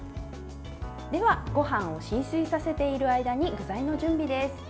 では、ご飯を浸水させている間に具材の準備です。